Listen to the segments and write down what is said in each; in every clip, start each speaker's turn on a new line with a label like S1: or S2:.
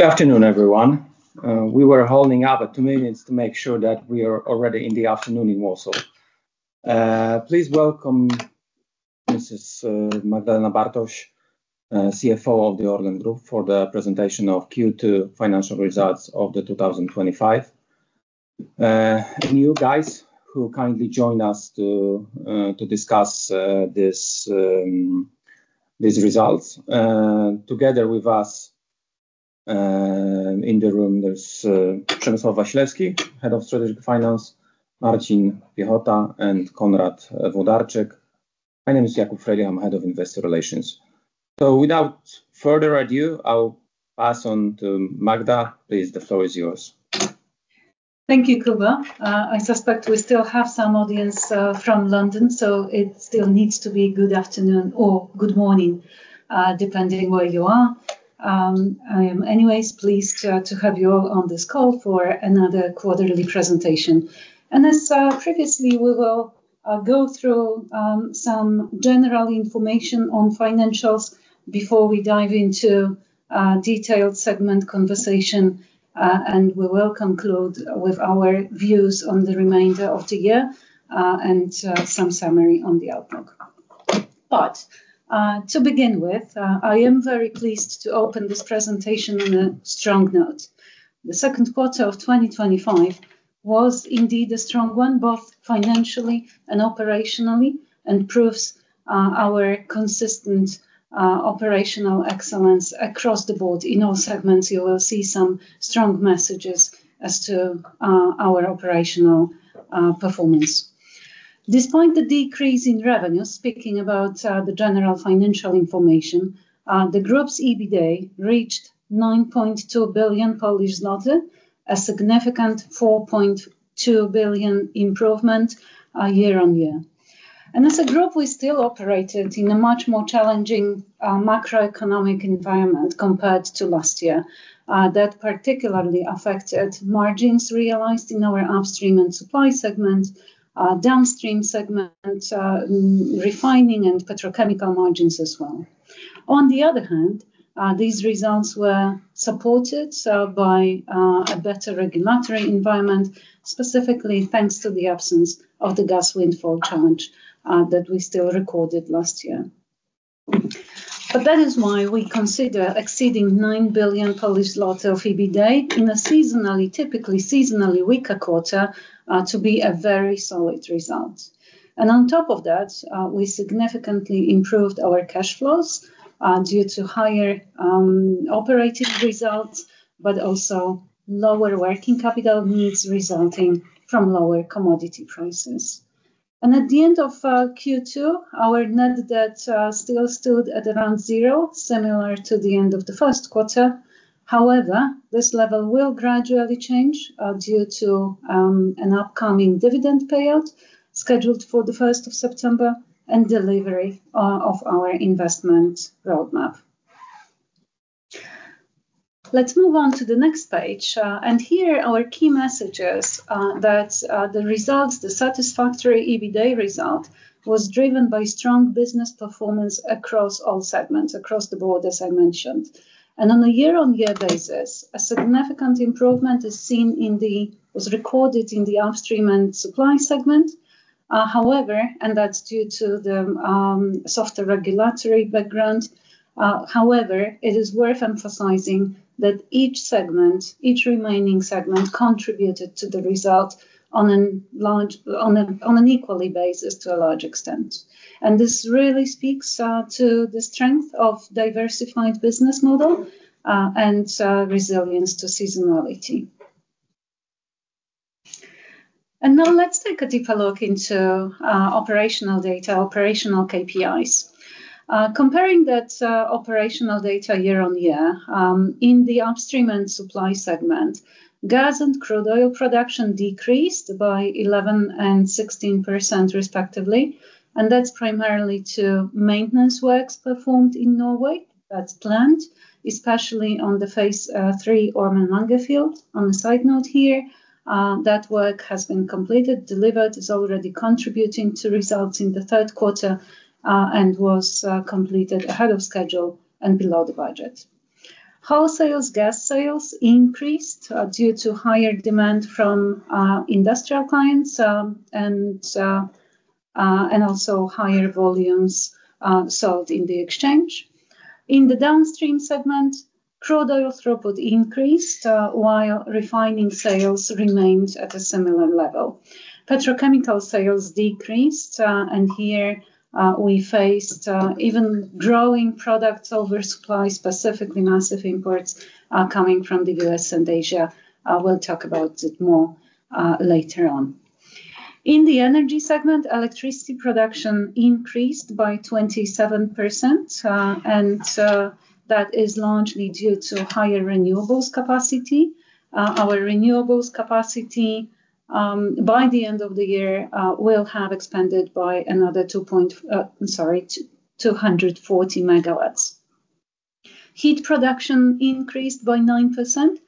S1: Good afternoon, everyone. We were holding up at two minutes to make sure that we are already in the afternoon in Warsaw. Please welcome Mrs. Magdalena Bartoś, CFO of the ORLEN Group, for the presentation of Q2 2025 financial results. New guys who kindly join us to discuss these results. Together with us, in the room, there's Przemysław Wasilewski, Head of Strategic Finance, Marcin Piechota, and Konrad Włodarczyk. My name is Jakub Frejlich, I'm Head of Investor Relations. So without further ado, I'll pass on to Magda. Please, the floor is yours.
S2: Thank you, Kuba. I suspect we still have some audience from London, so it still needs to be good afternoon or good morning, depending where you are. I am anyways pleased to have you all on this call for another quarterly presentation. And as previously, we will go through some general information on financials before we dive into a detailed segment conversation, and we will conclude with our views on the remainder of the year, and some summary on the outlook. But to begin with, I am very pleased to open this presentation on a strong note. The second quarter of 2025 was indeed a strong one, both financially and operationally, and proves our consistent operational excellence across the board. In all segments, you will see some strong messages as to our operational performance. Despite the decrease in revenue, speaking about the general financial information, the group's EBITDA reached 9.2 billion Polish zloty, a significant 4.2 billion improvement year-on-year. As a group, we still operated in a much more challenging macroeconomic environment compared to last year. That particularly affected margins realized in our upstream and supply segment, downstream segment, refining and petrochemical margins as well. On the other hand, these results were supported by a better regulatory environment, specifically, thanks to the absence of the gas windfall challenge that we still recorded last year. But that is why we consider exceeding 9 billion of EBITDA in a seasonally, typically seasonally weaker quarter to be a very solid result. And on top of that, we significantly improved our cash flows due to higher operating results, but also lower working capital needs resulting from lower commodity prices. And at the end of Q2, our net debt still stood at around zero, similar to the end of the first quarter. However, this level will gradually change due to an upcoming dividend payout scheduled for the first of September and delivery of our investment roadmap. Let's move on to the next page. And here, our key message is that the results, the satisfactory EBITDA result, was driven by strong business performance across all segments, across the board, as I mentioned. On a year-on-year basis, a significant improvement is seen in the... was recorded in the upstream and supply segment. However, and that's due to the softer regulatory background. However, it is worth emphasizing that each segment, each remaining segment, contributed to the result on an large-- on an, on an equal basis to a large extent. And this really speaks to the strength of diversified business model and resilience to seasonality. And now let's take a deeper look into operational data, operational KPIs. Comparing that operational data year-on-year, in the upstream and supply segment, gas and crude oil production decreased by 11% and 16%, respectively, and that's primarily to maintenance works performed in Norway. That's planned, especially on the Phase 3 Ormen Lange field. On a side note here, that work has been completed, delivered, is already contributing to results in the third quarter, and was completed ahead of schedule and below the budget. Wholesale gas sales increased due to higher demand from industrial clients, and also higher volumes sold in the exchange. In the downstream segment, crude oil throughput increased while refining sales remained at a similar level. Petrochemical sales decreased, and here we faced even growing products oversupply, specifically massive imports coming from the U.S. and Asia. We'll talk about it more later on. In the energy segment, electricity production increased by 27%, and that is largely due to higher renewables capacity. Our renewables capacity, by the end of the year, will have expanded by another two point... I'm sorry, 240 megawatts. Heat production increased by 9%,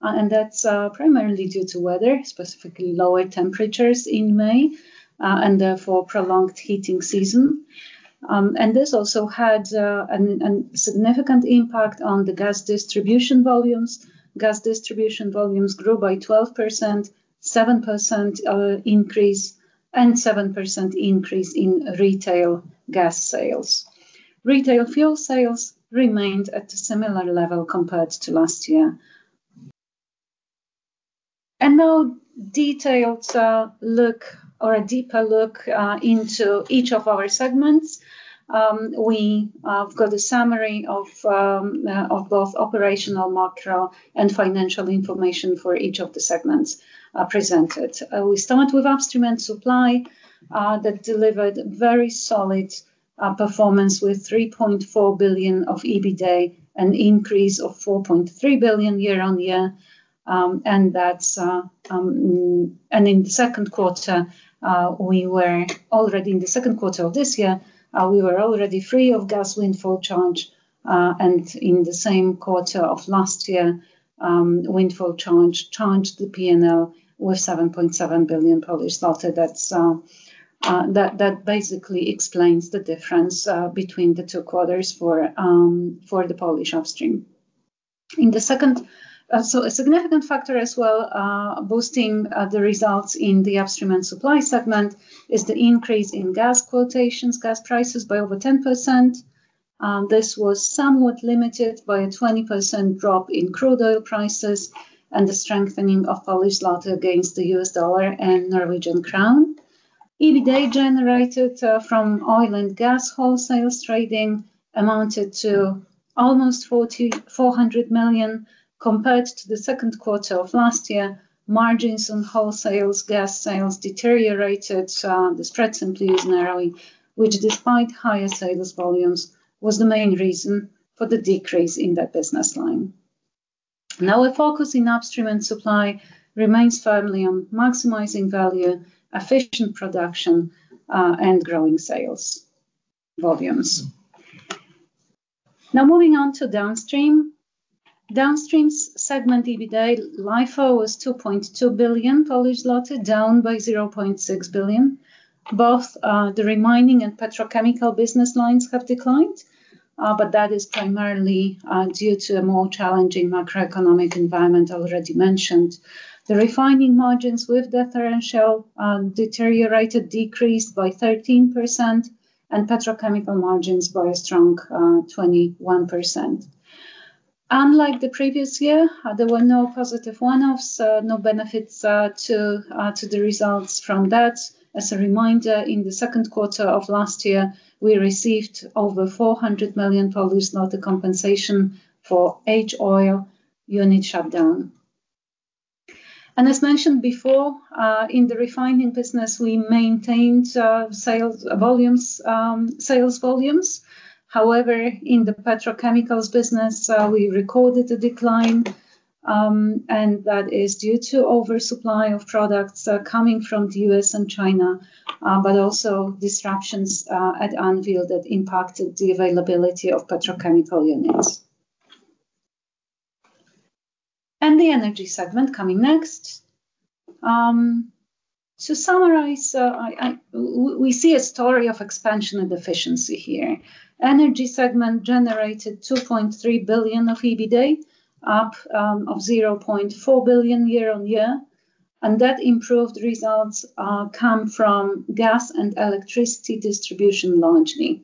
S2: and that's primarily due to weather, specifically lower temperatures in May, and therefore, prolonged heating season. And this also had a significant impact on the gas distribution volumes. Gas distribution volumes grew by 7% increase, and 7% increase in retail gas sales. Retail fuel sales remained at a similar level compared to last year. And now, detailed look, or a deeper look, into each of our segments. We have got a summary of both operational macro and financial information for each of the segments, presented. We start with Upstream and Supply that delivered very solid performance with 3.4 billion of EBITDA, an increase of 4.3 billion year-on-year. And in the second quarter, we were already in the second quarter of this year, we were already free of gas windfall charge. And in the same quarter of last year, windfall charge charged the PNL with 7.7 billion. That's that basically explains the difference between the two quarters for the Polish upstream. So a significant factor as well, boosting the results in the Upstream and Supply segment, is the increase in gas quotations, gas prices, by over 10%. This was somewhat limited by a 20% drop in crude oil prices and the strengthening of Polish zloty against the US dollar and Norwegian krone. EBITDA generated from oil and gas wholesales trading amounted to almost 4,400 million. Compared to the second quarter of last year, margins on wholesale gas sales deteriorated, the spreads simply narrowed, which despite higher sales volumes, was the main reason for the decrease in that business line. Now, our focus in Upstream and Supply remains firmly on maximizing value, efficient production, and growing sales volumes. Now, moving on to Downstream. Downstream's segment EBITDA LIFO was 2.2 billion, down by 0.6 billion. Both, the refining and petrochemical business lines have declined, but that is primarily due to a more challenging macroeconomic environment already mentioned. The refining margins with the differential deteriorated, decreased by 13%, and petrochemical margins by a strong 21%. Unlike the previous year, there were no positive one-offs, no benefits to the results from that. As a reminder, in the second quarter of last year, we received over PLN 400 million compensation for H-Oil unit shutdown. As mentioned before, in the refining business, we maintained sales volumes, sales volumes. However, in the petrochemicals business, we recorded a decline, and that is due to oversupply of products coming from the U.S. and China, but also disruptions at Anwil that impacted the availability of petrochemical units. The Energy segment coming next. To summarize, we see a story of expansion and efficiency here. Energy segment generated 2.3 billion of EBITDA, up of 0.4 billion year-on-year, and that improved results come from gas and electricity distribution largely.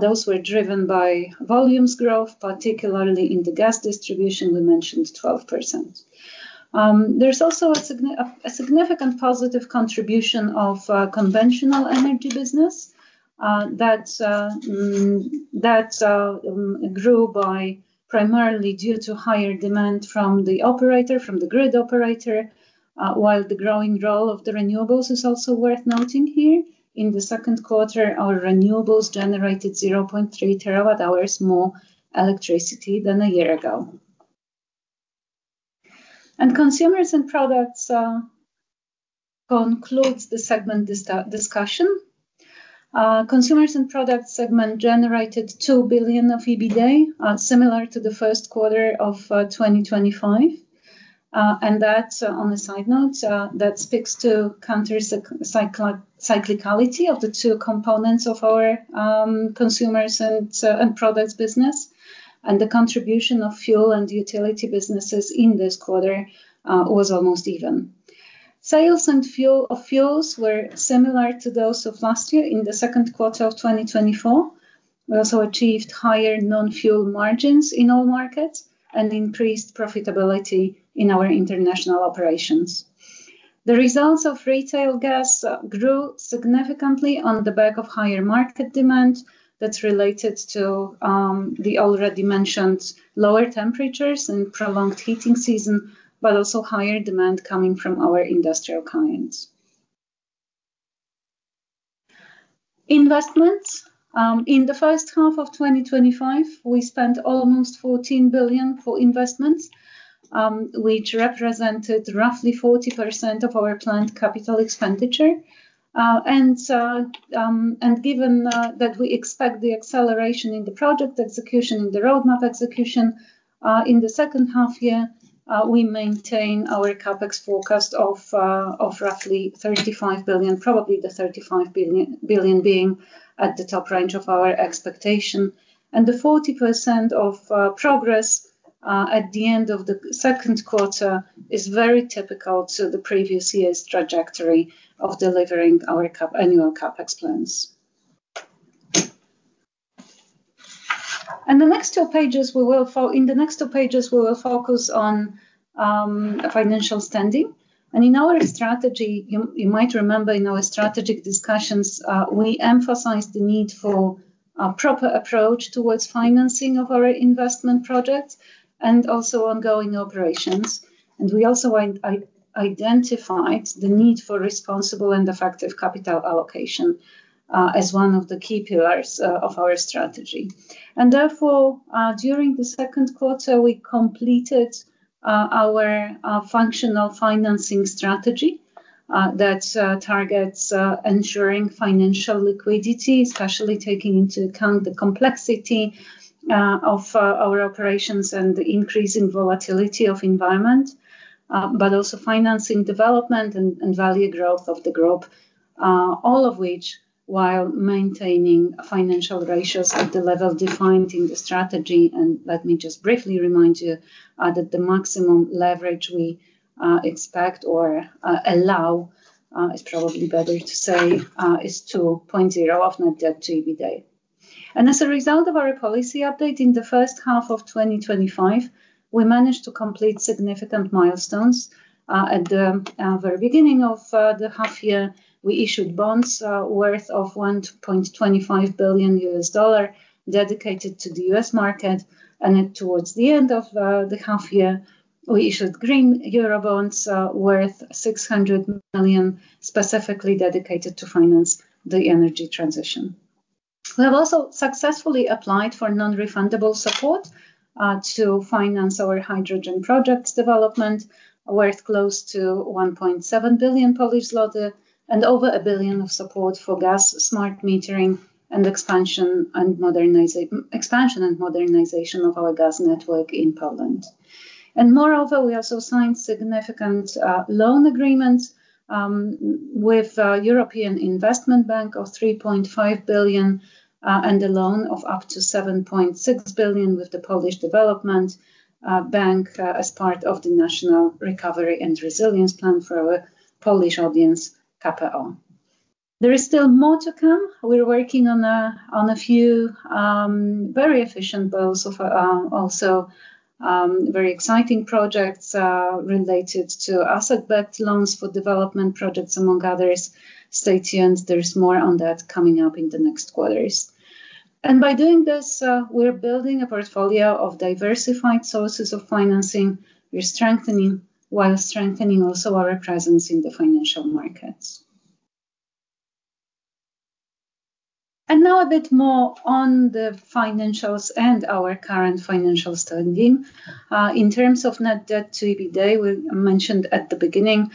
S2: Those were driven by volumes growth, particularly in the gas distribution, we mentioned 12%. There's also a significant positive contribution of conventional energy business that grew by primarily due to higher demand from the operator, from the grid operator, while the growing role of the renewables is also worth noting here. In the second quarter, our renewables generated 0.3 TWh more electricity than a year ago. Consumers and Products concludes the segment discussion. Consumers and Products segment generated 2 billion of EBITDA, similar to the first quarter of 2025. And that, on a side note, that speaks to counter-cyclicality of the two components of our Consumers and Products business. The contribution of fuel and utility businesses in this quarter was almost even. Sales and fuel, of fuels were similar to those of last year in the second quarter of 2024. We also achieved higher non-fuel margins in all markets and increased profitability in our international operations. The results of retail gas grew significantly on the back of higher market demand that's related to the already mentioned lower temperatures and prolonged heating season, but also higher demand coming from our industrial clients. Investments. In the first half of 2025, we spent almost 14 billion for investments, which represented roughly 40% of our planned capital expenditure. And so, given that we expect the acceleration in the project execution, in the roadmap execution, in the second half year, we maintain our CapEx forecast of roughly 35 billion, probably the 35 billion being at the top range of our expectation. The 40% of progress at the end of the second quarter is very typical to the previous year's trajectory of delivering our annual CapEx plans. In the next two pages, we will focus on financial standing. In our strategy, you might remember in our strategic discussions, we emphasized the need for a proper approach towards financing of our investment projects and also ongoing operations. We also identified the need for responsible and effective capital allocation as one of the key pillars of our strategy. And therefore, during the second quarter, we completed our functional financing strategy that targets ensuring financial liquidity, especially taking into account the complexity of our operations and the increasing volatility of environment, but also financing development and value growth of the group. All of which, while maintaining financial ratios at the level defined in the strategy, and let me just briefly remind you that the maximum leverage we expect or allow is probably better to say is 2.0 of net debt to EBITDA. And as a result of our policy update, in the first half of 2025, we managed to complete significant milestones. At the very beginning of the half year, we issued bonds worth of $1.25 billion US dollar dedicated to the US market, and then towards the end of the half year, we issued green Eurobonds worth 600 million, specifically dedicated to finance the energy transition. We have also successfully applied for non-refundable support to finance our hydrogen projects development, worth close to 1.7 billion Polish zloty, and over 1 billion of support for gas smart metering and expansion and modernization of our gas network in Poland. Moreover, we also signed significant loan agreements with European Investment Bank of 3.5 billion and a loan of up to 7.6 billion with the Polish Development Bank as part of the National Recovery and Resilience Plan for our Polish audience, KPO. There is still more to come. We're working on a few very efficient, but also very exciting projects related to asset-backed loans for development projects, among others. Stay tuned, there's more on that coming up in the next quarters. And by doing this, we're building a portfolio of diversified sources of financing. We're strengthening... while strengthening also our presence in the financial markets. And now a bit more on the financials and our current financial standing. In terms of net debt to EBITDA, we mentioned at the beginning,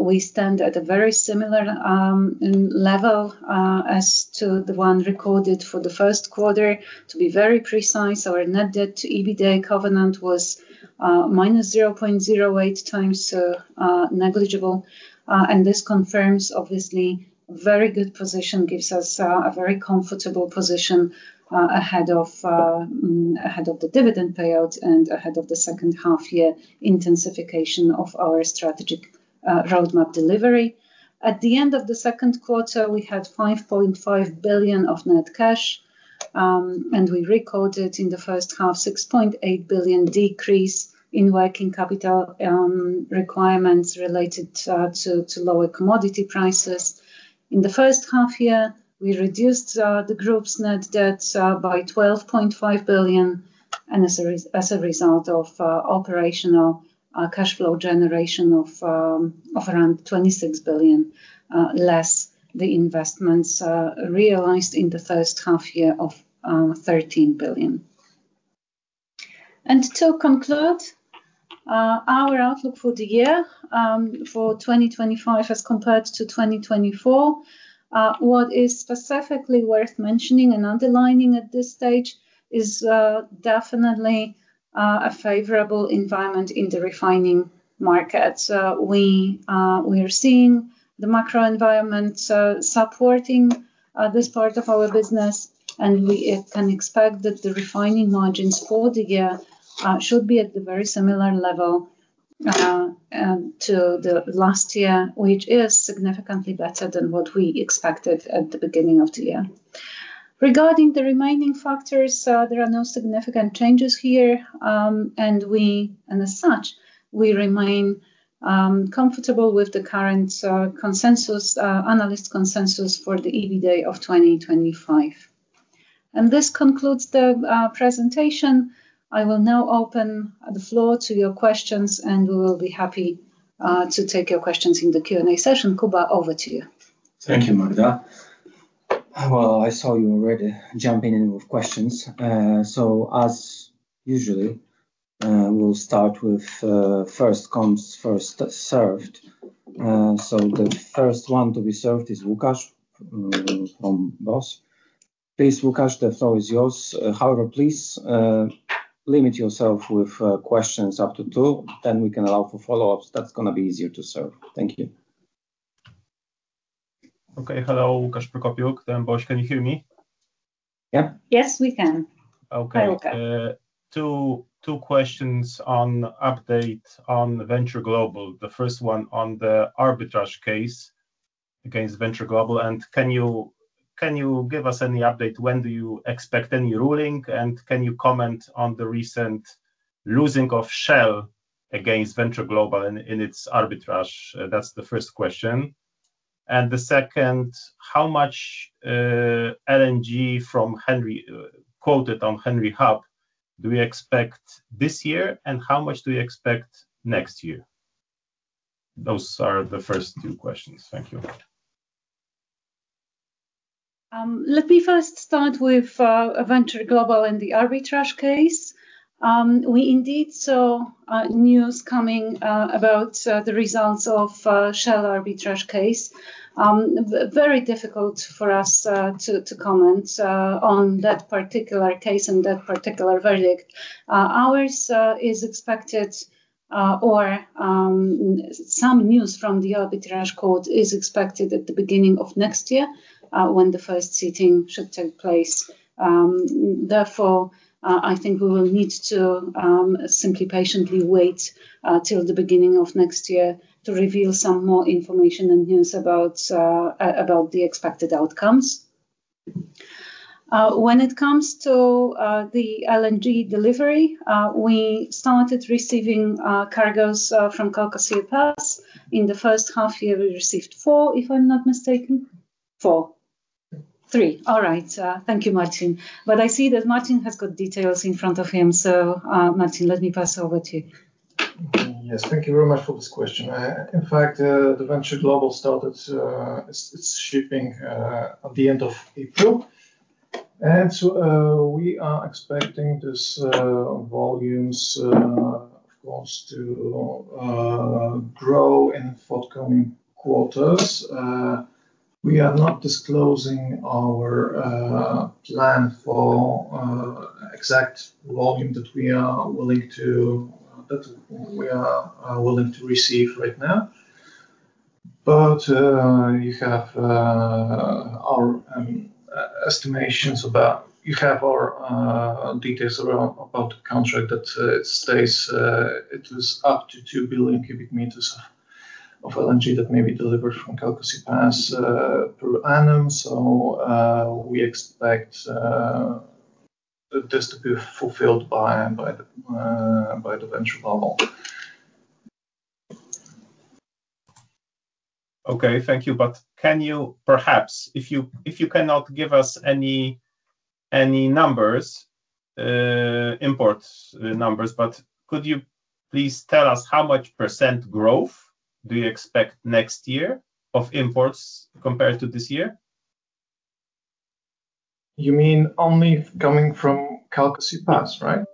S2: we stand at a very similar level, as to the one recorded for the first quarter. To be very precise, our net debt to EBITDA covenant was, minus 0.08 times, negligible. And this confirms, obviously, very good position, gives us, a very comfortable position, ahead of, ahead of the dividend payout and ahead of the second half year intensification of our strategic, roadmap delivery. At the end of the second quarter, we had 5.5 billion of net cash, and we recorded in the first half, 6.8 billion decrease in working capital, requirements related, to, to lower commodity prices. In the first half year, we reduced the group's net debt by 12.5 billion, and as a result of operational cash flow generation of around 26 billion less the investments realized in the first half year of 13 billion. And to conclude our outlook for the year for 2025 as compared to 2024, what is specifically worth mentioning and underlining at this stage is definitely a favorable environment in the refining market. We are seeing the macro environment supporting this part of our business, and we can expect that the refining margins for the year should be at a very similar level to the last year, which is significantly better than what we expected at the beginning of the year. Regarding the remaining factors, there are no significant changes here, and we, and as such, we remain comfortable with the current consensus, analyst consensus for the EBITDA of 2025. This concludes the presentation. I will now open the floor to your questions, and we will be happy to take your questions in the Q&A session. Kuba, over to you.
S1: Thank you, Magda. Well, I saw you already jumping in with questions. So as usual, we'll start with first come, first served. So the first one to be served is Łukasz from BOŚ. Please, Łukasz, the floor is yours. However, please limit yourself with questions up to two, then we can allow for follow-ups. That's gonna be easier to serve. Thank you.
S3: Okay. Hello, Łukasz Prokopiuk from BOŚ. Can you hear me?...
S1: Yeah?
S2: Yes, we can.
S3: Okay.
S2: I will go.
S3: Two, two questions on update on Venture Global. The first one on the arbitration case against Venture Global, and can you, can you give us any update, when do you expect any ruling? And can you comment on the recent losing of Shell against Venture Global in, in its arbitration? That's the first question. And the second, how much, LNG from Henry, quoted on Henry Hub do we expect this year, and how much do we expect next year? Those are the first two questions. Thank you.
S2: Let me first start with Venture Global and the arbitration case. We indeed saw news coming about the results of Shell arbitration case. Very difficult for us to comment on that particular case and that particular verdict. Ours is expected or some news from the arbitration court is expected at the beginning of next year when the first sitting should take place. Therefore, I think we will need to simply patiently wait till the beginning of next year to reveal some more information and news about the expected outcomes. When it comes to the LNG delivery, we started receiving cargos from Calcasieu Pass. In the first half year, we received four, if I'm not mistaken. Four. Three. All right, thank you, Marcin. But I see that Marcin has got details in front of him. So, Marcin, let me pass over to you.
S4: Yes, thank you very much for this question. In fact, the Venture Global started its shipping at the end of April. And so, we are expecting this volumes, of course, to grow in forthcoming quarters. We are not disclosing our plan for exact volume that we are willing to receive right now. But, you have our estimations about. You have our details around about the contract that it states it is up to 2 billion cubic meters of LNG that may be delivered from Calcasieu Pass per annum. So, we expect this to be fulfilled by the Venture Global.
S3: Okay, thank you. But can you perhaps, if you cannot give us any numbers, imports numbers, but could you please tell us how much % growth do you expect next year of imports compared to this year?
S4: You mean only coming from Calcasieu Pass, right?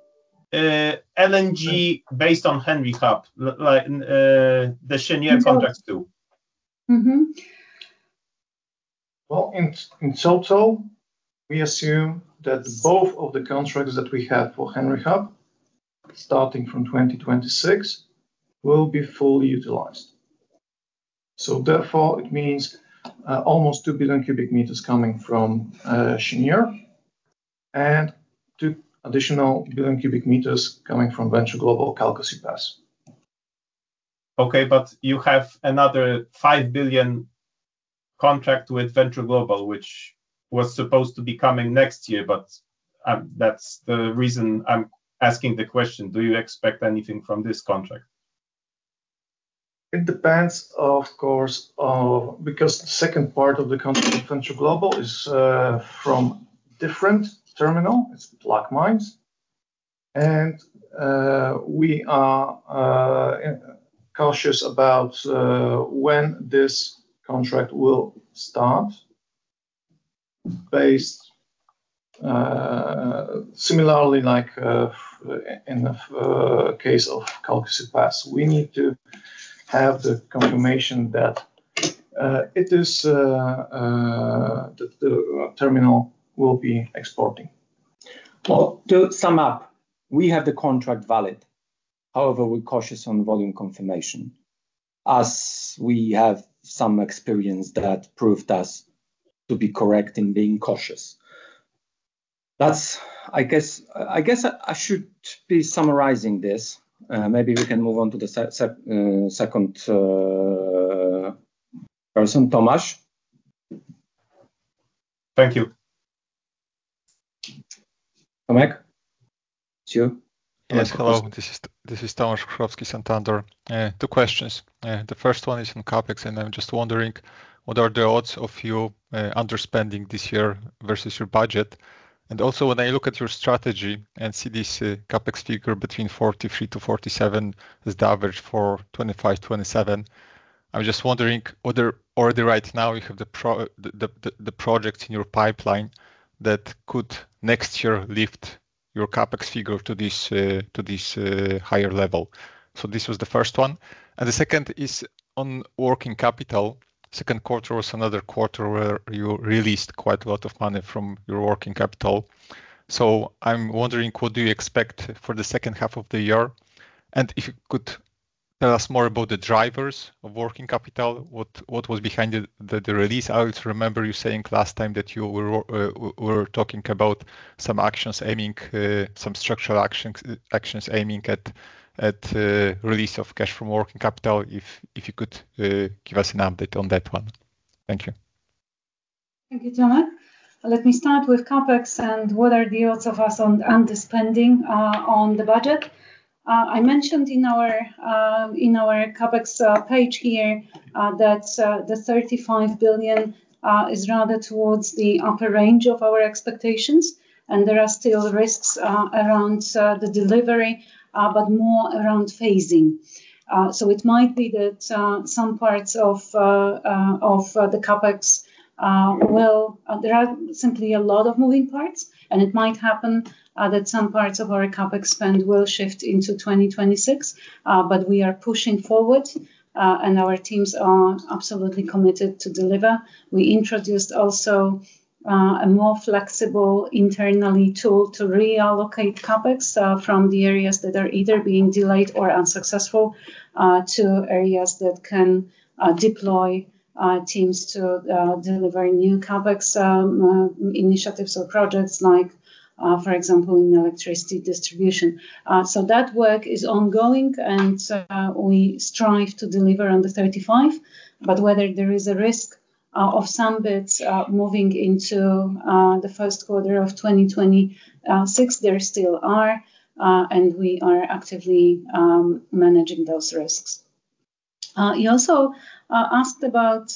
S3: LNG based on Henry Hub, like, the Cheniere contracts, too.
S2: Mm-hmm.
S4: Well, in total, we assume that both of the contracts that we have for Henry Hub, starting from 2026, will be fully utilized. So therefore, it means almost 2 billion cubic meters coming from Cheniere, and 2 additional billion cubic meters coming from Venture Global, Calcasieu Pass.
S3: Okay, but you have another $5 billion contract with Venture Global, which was supposed to be coming next year, but, that's the reason I'm asking the question: Do you expect anything from this contract?
S4: It depends, of course, because the second part of the contract with Venture Global is from different terminal. It's Plaquemines, and we are cautious about when this contract will start, based similarly, like, in the case of Calcasieu Pass. We need to have the confirmation that the terminal will be exporting.
S1: Well, to sum up, we have the contract valid. However, we're cautious on volume confirmation, as we have some experience that proved us to be correct in being cautious. That's, I guess, I should be summarizing this. Maybe we can move on to the second person, Tomasz.
S3: Thank you.
S1: Tomasz? It's you.
S5: Yes, hello. This is Tomasz Szkurłat, Santander. Two questions. The first one is on CapEx, and I'm just wondering, what are the odds of you underspending this year versus your budget? And also, when I look at your strategy and see this CapEx figure between 43-47 is the average for 2025-2027, I was just wondering whether already right now you have the project in your pipeline that could next year lift your CapEx figure to this higher level? So this was the first one, and the second is on working capital. Second quarter was another quarter where you released quite a lot of money from your working capital. So I'm wondering, what do you expect for the second half of the year? And if you could... Tell us more about the drivers of working capital. What was behind the release? I also remember you saying last time that you were talking about some structural actions aiming at release of cash from working capital. If you could give us an update on that one. Thank you.
S2: Thank you, Tomasz. Let me start with CapEx and what are the odds of us on underspending on the budget. I mentioned in our CapEx page here that the 35 billion is rather towards the upper range of our expectations, and there are still risks around the delivery, but more around phasing. So it might be that some parts of the CapEx. There are simply a lot of moving parts, and it might happen that some parts of our CapEx spend will shift into 2026. But we are pushing forward, and our teams are absolutely committed to deliver. We introduced also a more flexible internally tool to reallocate CapEx from the areas that are either being delayed or unsuccessful to areas that can deploy teams to deliver new CapEx initiatives or projects like, for example, in electricity distribution. So that work is ongoing, and we strive to deliver on the 35, but whether there is a risk of some bits moving into the first quarter of 2026, there still are, and we are actively managing those risks. You also asked about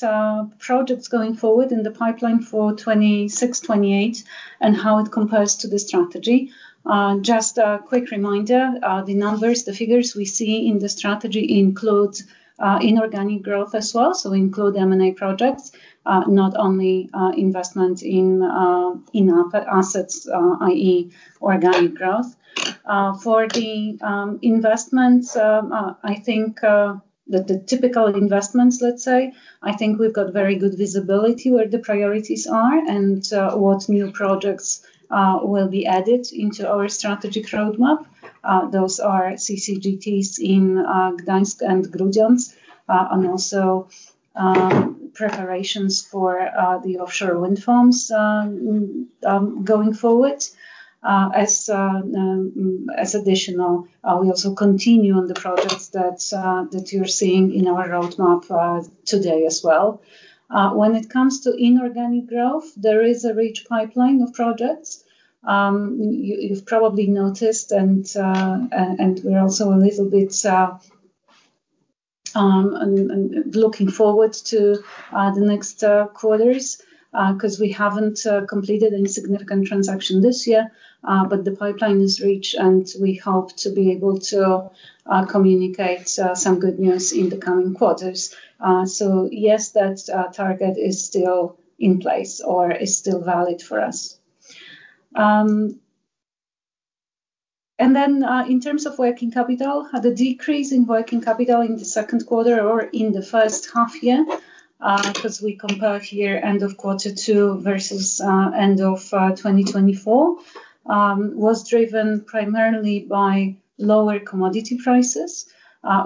S2: projects going forward in the pipeline for 26-28, and how it compares to the strategy. Just a quick reminder, the numbers, the figures we see in the strategy include inorganic growth as well, so we include M&A projects, not only investment in our assets, i.e., organic growth. For the investments, I think that the typical investments, let's say, I think we've got very good visibility where the priorities are, and what new projects will be added into our strategic roadmap. Those are CCGTs in Gdańsk and Grudziądz, and also preparations for the offshore wind farms going forward. As additional, we also continue on the projects that you're seeing in our roadmap today as well. When it comes to inorganic growth, there is a rich pipeline of projects. You've probably noticed, and we're also a little bit looking forward to the next quarters, 'cause we haven't completed any significant transaction this year. But the pipeline is rich, and we hope to be able to communicate some good news in the coming quarters. So yes, that target is still in place or is still valid for us. And then, in terms of working capital, the decrease in working capital in the second quarter or in the first half year, 'cause we compare here end of quarter two versus end of 2024, was driven primarily by lower commodity prices.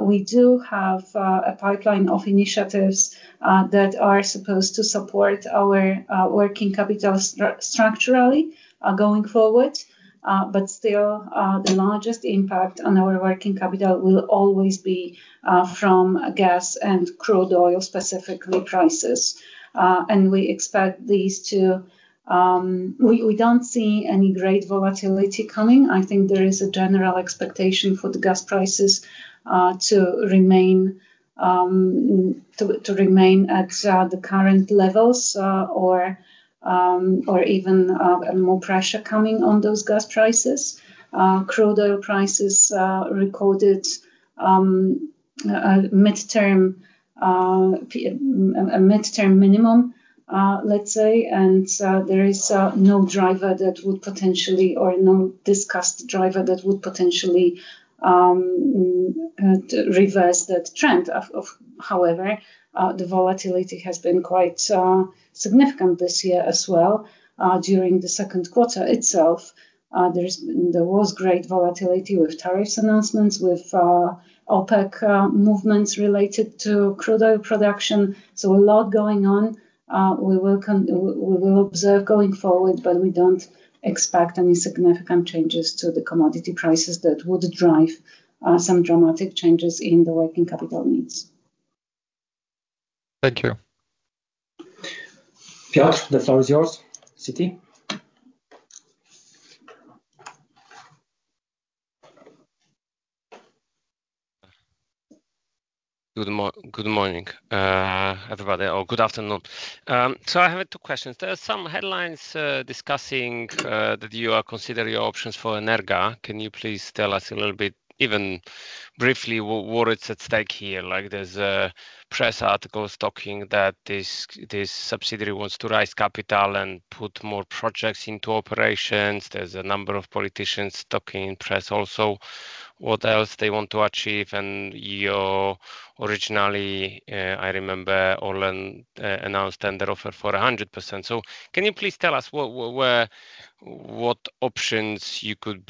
S2: We do have a pipeline of initiatives that are supposed to support our working capital structurally going forward. But still, the largest impact on our working capital will always be from gas and crude oil, specifically prices. And we expect these to. We don't see any great volatility coming. I think there is a general expectation for the gas prices to remain to remain at the current levels, or or even more pressure coming on those gas prices. Crude oil prices recorded a midterm minimum, let's say, and there is no driver that would potentially or no discussed driver that would potentially reverse that trend. Of however, the volatility has been quite significant this year as well. During the second quarter itself, there was great volatility with tariffs announcements, with OPEC movements related to crude oil production. So a lot going on. We will observe going forward, but we don't expect any significant changes to the commodity prices that would drive some dramatic changes in the working capital needs.
S5: Thank you.
S1: Piotr, the floor is yours. Citi.
S6: Good morning, everybody, or good afternoon. So I have two questions. There are some headlines discussing that you are considering your options for Energa. Can you please tell us a little bit, even briefly, what is at stake here? Like, there's press articles talking that this subsidiary wants to raise capital and put more projects into operations. There's a number of politicians talking in press also, what else they want to achieve. And you originally, I remember, ORLEN announced tender offer for 100%. So can you please tell us what options you will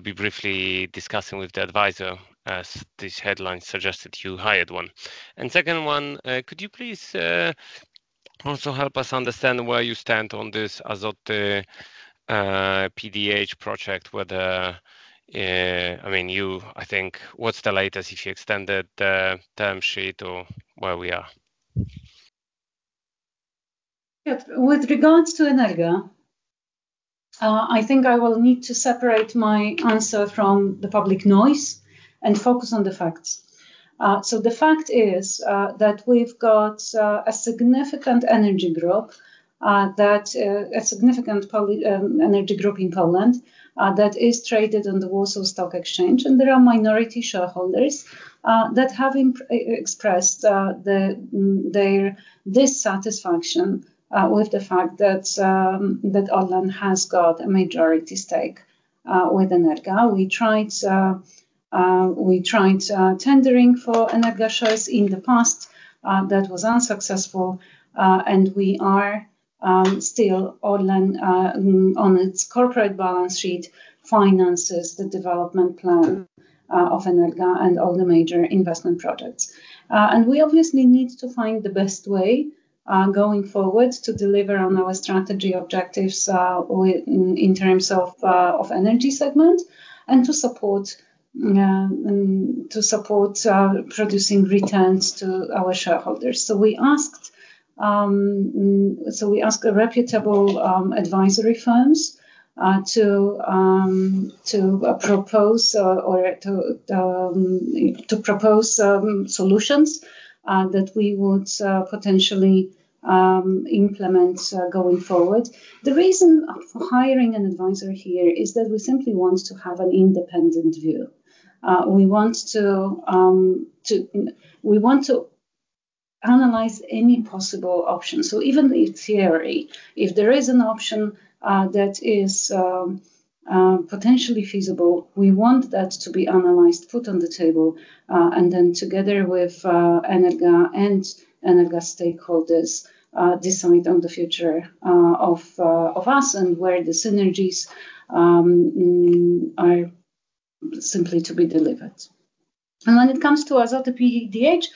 S6: be briefly discussing with the advisor, as this headline suggested you hired one? And second one, could you please describe-... Also help us understand where you stand on this Azoty PDH project, whether, I mean, you, I think, what's the latest, if you extended the term sheet or where we are?
S2: Yeah. With regards to Energa, I think I will need to separate my answer from the public noise and focus on the facts. So the fact is, that we've got a significant energy group, a significant public energy group in Poland, that is traded on the Warsaw Stock Exchange, and there are minority shareholders that have expressed their dissatisfaction with the fact that ORLEN has got a majority stake with Energa. We tried tendering for Energa shares in the past, that was unsuccessful, and we are still ORLEN on its corporate balance sheet finances the development plan of Energa and all the major investment projects. And we obviously need to find the best way going forward to deliver on our strategy objectives in terms of energy segment, and to support producing returns to our shareholders. So we asked a reputable advisory firms to propose solutions that we would potentially implement going forward. The reason for hiring an advisor here is that we simply want to have an independent view. We want to analyze any possible options. So even in theory, if there is an option that is potentially feasible, we want that to be analyzed, put on the table, and then together with Energa and Energa stakeholders, decide on the future of us and where the synergies are simply to be delivered. And when it comes to Azoty PDH,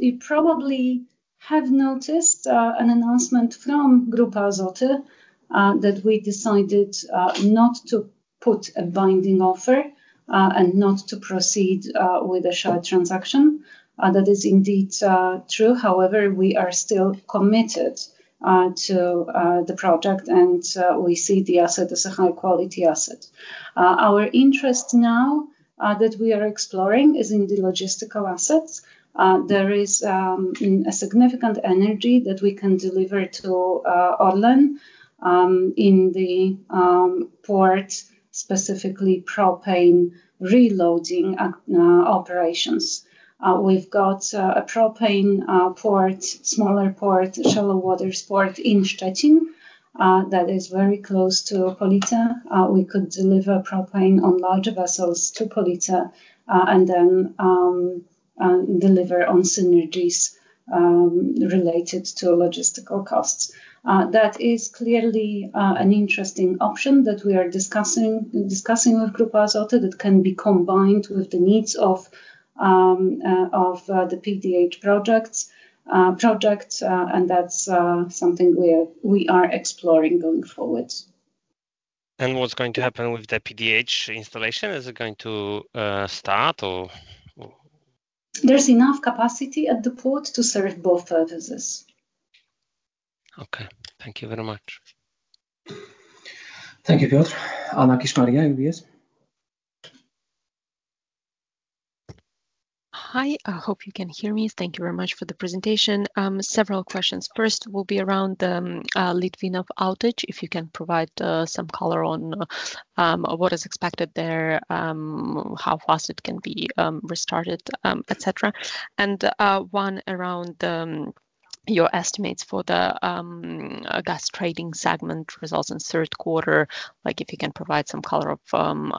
S2: you probably have noticed an announcement from Grupa Azoty that we decided not to put a binding offer and not to proceed with a share transaction. That is indeed true. However, we are still committed to the project, and we see the asset as a high-quality asset. Our interest now that we are exploring is in the logistical assets. There is a significant energy that we can deliver to ORLEN in the port, specifically propane reloading operations. We've got a propane port, smaller port, shallow waters port in Szczecin that is very close to Police. We could deliver propane on larger vessels to Police and then deliver on synergies related to logistical costs. That is clearly an interesting option that we are discussing with Grupa Azoty that can be combined with the needs of the PDH projects and that's something we are exploring going forward.
S6: What's going to happen with the PDH installation? Is it going to start or or?
S2: There's enough capacity at the port to serve both purposes.
S6: Okay. Thank you very much.
S1: Thank you, Piotr. Anna Kiszczak, UBS.
S7: Hi, I hope you can hear me. Thank you very much for the presentation. Several questions. First will be around the Litvínov outage, if you can provide some color on what is expected there, how fast it can be restarted, etc. And one around your estimates for the gas trading segment results in third quarter. Like, if you can provide some color of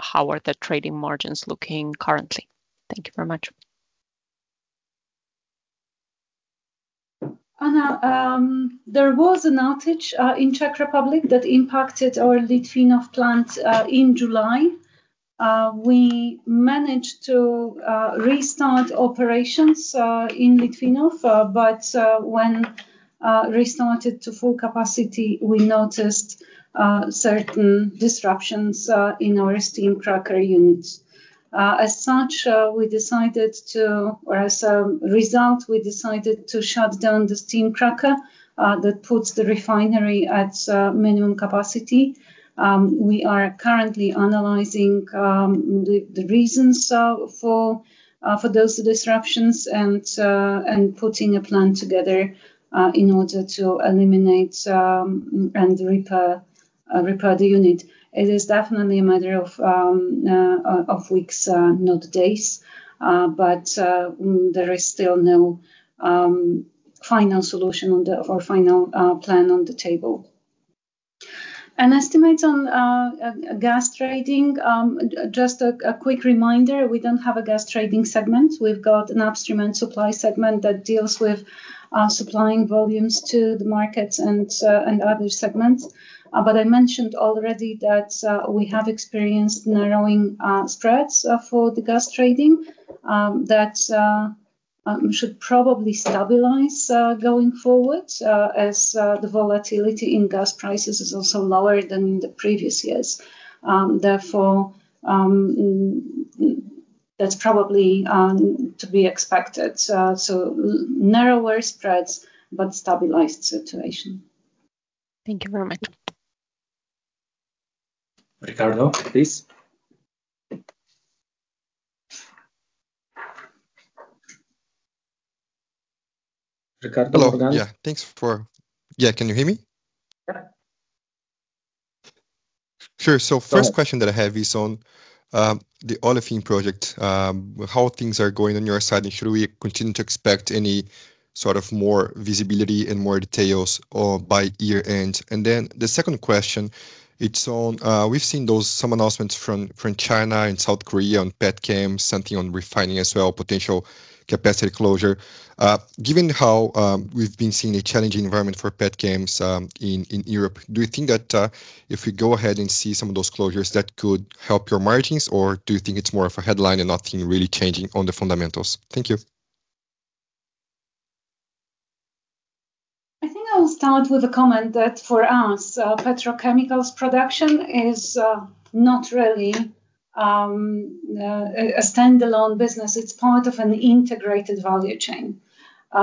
S7: how are the trading margins looking currently? Thank you very much.
S2: Anna, there was an outage in Czech Republic that impacted our Litvínov plant in July. We managed to restart operations in Litvínov, but when restarted to full capacity, we noticed certain disruptions in our steam cracker units. As such, we decided to... or as a result, we decided to shut down the steam cracker that puts the refinery at minimum capacity. We are currently analyzing the reasons for those disruptions, and putting a plan together in order to eliminate and repair the unit. It is definitely a matter of weeks, not days, but there is still no final solution on the... or final plan on the table. Estimates on gas trading, just a quick reminder, we don't have a gas trading segment. We've got an upstream and supply segment that deals with supplying volumes to the markets and other segments. But I mentioned already that we have experienced narrowing spreads for the gas trading that should probably stabilize going forward, as the volatility in gas prices is also lower than the previous years. Therefore, that's probably to be expected. So, narrower spreads, but stabilized situation.
S7: Thank you very much.
S1: Ricardo, please. Ricardo?
S8: Hello. Yeah, Yeah, can you hear me?
S1: Yeah.
S8: Sure. So first question that I have is on the olefin project. How things are going on your side, and should we continue to expect any sort of more visibility and more details, or by year end? And then the second question, it's on we've seen some announcements from China and South Korea on petchem, something on refining as well, potential capacity closure. Given how we've been seeing a challenging environment for petchems in Europe, do you think that if we go ahead and see some of those closures, that could help your margins? Or do you think it's more of a headline and nothing really changing on the fundamentals? Thank you.
S2: I think I will start with a comment that for us, petrochemicals production is not really a standalone business. It's part of an integrated value chain.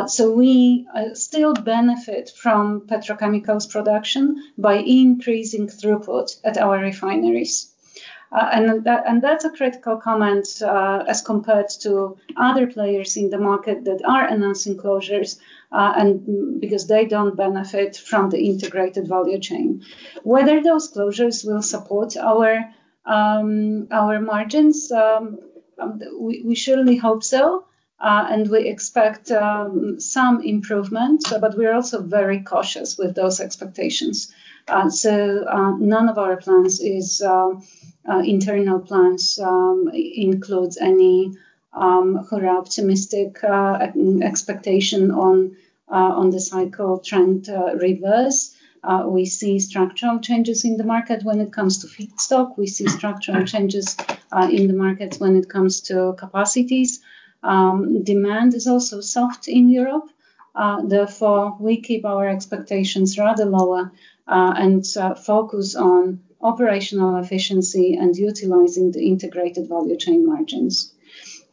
S2: So we still benefit from petrochemicals production by increasing throughput at our refineries. And that's a critical comment, as compared to other players in the market that are announcing closures, and because they don't benefit from the integrated value chain. Whether those closures will support our margins, we surely hope so, and we expect some improvement, but we're also very cautious with those expectations. So none of our internal plans includes any optimistic expectation on the cycle trend reverse. We see structural changes in the market when it comes to feedstock. We see structural changes in the market when it comes to capacities. Demand is also soft in Europe, therefore, we keep our expectations rather lower, and focus on operational efficiency and utilizing the integrated value chain margins.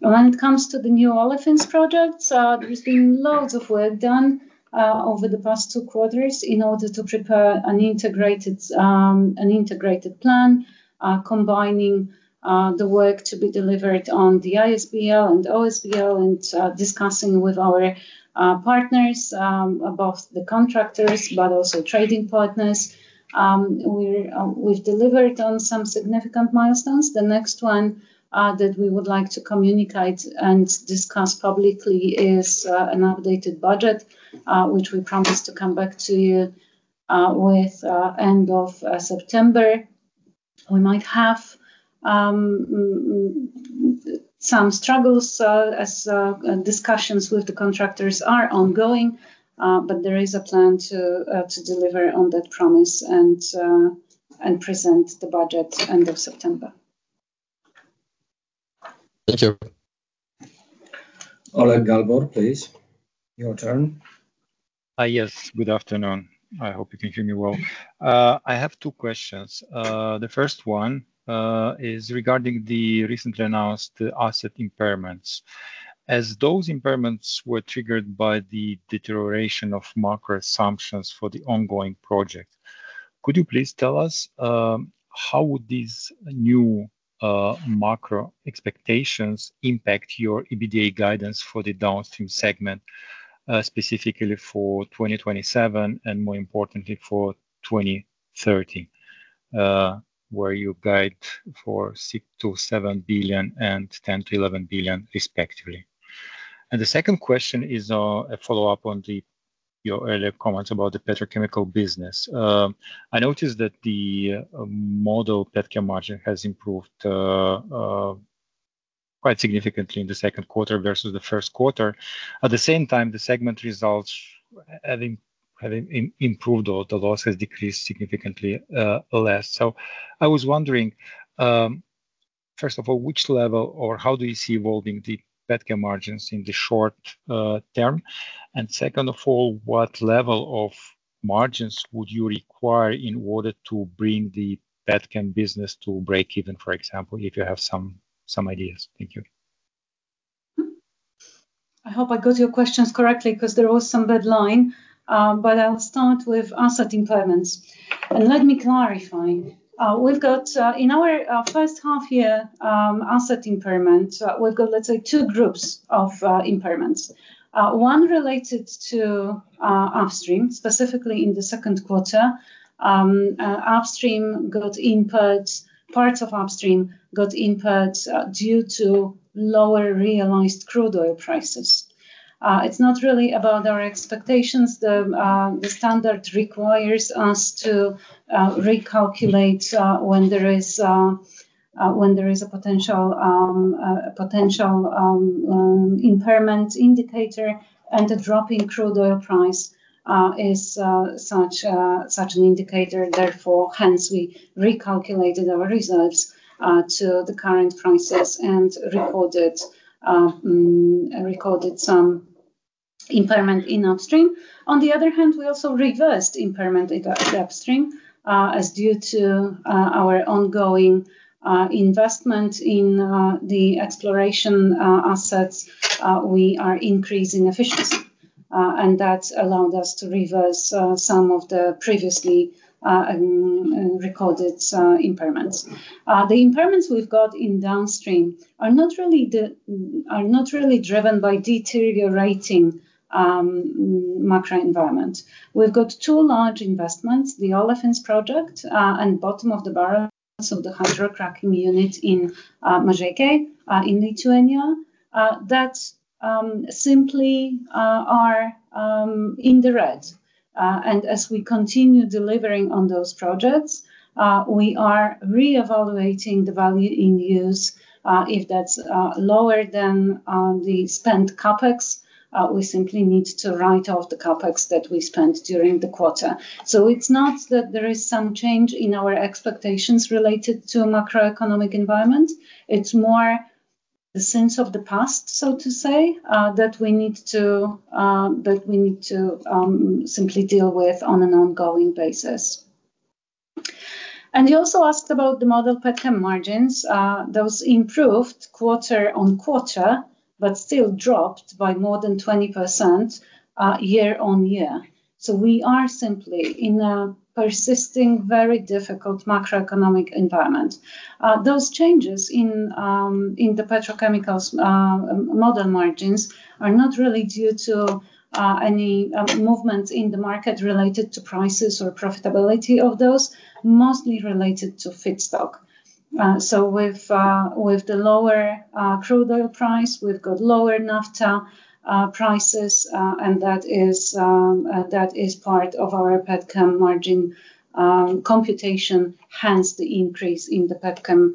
S2: When it comes to the new olefins projects, there's been loads of work done over the past two quarters in order to prepare an integrated, an integrated plan combining the work to be delivered on the ISBL and OSBL, and discussing with our partners about the contractors, but also trading partners. We're, we've delivered on some significant milestones. The next one that we would like to communicate and discuss publicly is an updated budget, which we promise to come back to you with end of September. We might have some struggles as discussions with the contractors are ongoing, but there is a plan to deliver on that promise and present the budget end of September.
S8: Thank you.
S1: Oleg Galbur, please. Your turn.
S9: Yes. Good afternoon. I hope you can hear me well. I have two questions. The first one is regarding the recently announced asset impairments. As those impairments were triggered by the deterioration of macro assumptions for the ongoing project, could you please tell us how would these new macro expectations impact your EBITDA guidance for the downstream segment, specifically for 2027 and more importantly, for 2030, where you guide for 6 billion-7 billion and 10 billion-11 billion respectively? And the second question is, a follow-up on your earlier comments about the petrochemical business. I noticed that the model petchem margin has improved quite significantly in the second quarter versus the first quarter. At the same time, the segment results having improved or the loss has decreased significantly less. I was wondering, first of all, which level or how do you see evolving the petchem margins in the short term? Second of all, what level of margins would you require in order to bring the petchem business to break even, for example, if you have some, some ideas? Thank you.
S2: I hope I got your questions correctly, 'cause there was some bad line. But I'll start with asset impairments, and let me clarify. We've got, in our first half year, asset impairment. We've got, let's say, two groups of impairments. One related to upstream, specifically in the second quarter. Upstream got impaired, parts of upstream got impaired, due to lower realized crude oil prices. It's not really about our expectations, though, the standard requires us to recalculate when there is a potential impairment indicator, and the drop in crude oil price is such an indicator. Therefore, hence, we recalculated our results to the current prices and recorded some impairment in upstream. On the other hand, we also reversed impairment in the upstream as due to our ongoing investment in the exploration assets, we are increasing efficiency. And that's allowed us to reverse some of the previously recorded impairments. The impairments we've got in downstream are not really driven by deteriorating macro environment. We've got two large investments, the olefins project, and bottom of the barrel, so the hydrocracking unit in Mažeikiai, in Lithuania. That simply are in the red. And as we continue delivering on those projects, we are re-evaluating the value in use. If that's lower than the spent CapEx, we simply need to write off the CapEx that we spent during the quarter. So it's not that there is some change in our expectations related to macroeconomic environment, it's more the sense of the past, so to say, that we need to, that we need to, simply deal with on an ongoing basis. And you also asked about the model petchem margins. Those improved quarter-on-quarter, but still dropped by more than 20%, year-on-year. So we are simply in a persisting, very difficult macroeconomic environment. Those changes in, in the petrochemicals, model margins are not really due to, any, movement in the market related to prices or profitability of those, mostly related to feedstock. So with the lower crude oil price, we've got lower naphtha prices, and that is part of our petchem margin computation, hence the increase in the petchem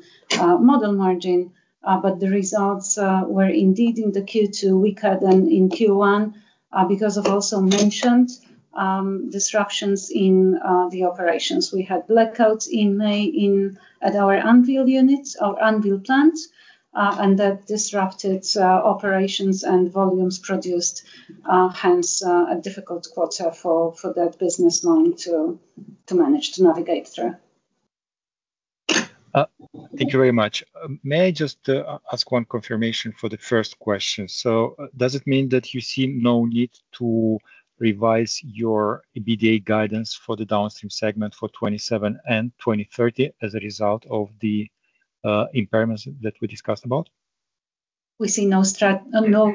S2: model margin. But the results were indeed in Q2 weaker than in Q1, because of also mentioned disruptions in the operations. We had blackouts in May at our Anwil unit or Anwil plant, and that disrupted operations and volumes produced, hence a difficult quarter for that business line to manage, to navigate through.
S9: Thank you very much. May I just ask one confirmation for the first question? So does it mean that you see no need to revise your EBITDA guidance for the downstream segment for 2027 and 2030 as a result of the impairments that we discussed about?
S2: We see no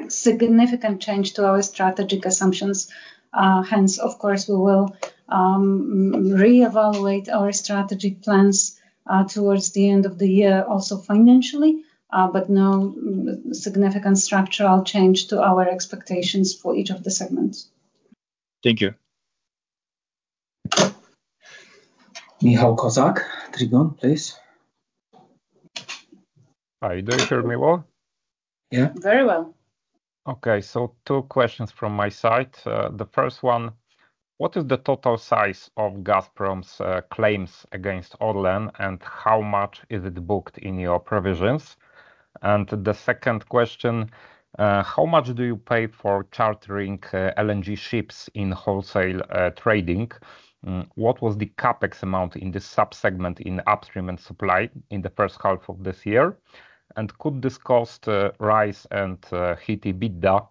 S2: significant change to our strategic assumptions. Hence, of course, we will re-evaluate our strategic plans towards the end of the year, also financially, but no significant structural change to our expectations for each of the segments.
S9: Thank you.
S1: Michał Kozak, Trigon, please.
S10: Hi. Do you hear me well?
S1: Yeah.
S2: Very well.
S10: Okay. So two questions from my side. The first one, what is the total size of Gazprom's claims against ORLEN, and how much is it booked in your provisions? And the second question: How much do you pay for chartering LNG ships in wholesale trading? What was the CapEx amount in this sub-segment in upstream and supply in the first half of this year? And could this cost rise and hit EBITDA